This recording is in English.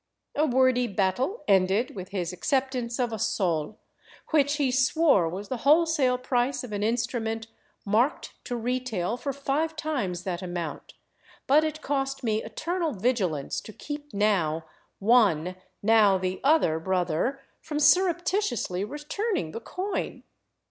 A wordy battle ended with his ac ceptance of a sol, which he swore was the wholesale price of an instru ment marked to retail for five times that amount ; but it cost me eternal vigilance to keep now one, now the other brother from surreptitiously 363 VAGABONDING DOWN THE ANDES returning the coin.